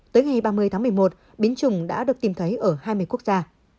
tới ngày ba mươi tháng một mươi một biến chủng đã được tìm thấy ở hai mươi quốc gia